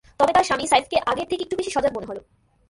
তবে, তাঁর স্বামী সাইফকে আগের থেকে একটু বেশি সজাগ মনে হলো।